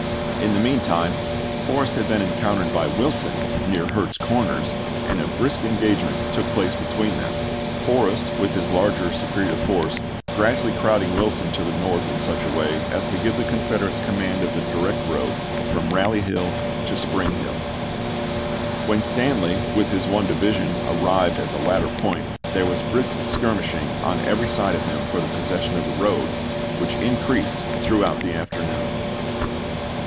In the mean time Forrest had been encountered by Wilson near Hurt's Corners, and a brisk engagement took place between them, Forrest with his largely superior force gradually crowding Wilson to the north in such a way as to give the Confederates command of the direct road from Bally Hill to Spring Hill. When Stanley, with his one division, arrived at the latter point there was brisk skirmish ing on every side of him for the possession of the road, which increased throughout the afternoon.